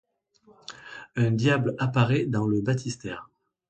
Un diable apparaît dans le baptistère.